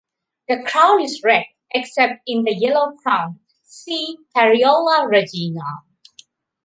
The crown is red, except in the yellow-crowned "C. pareola regina".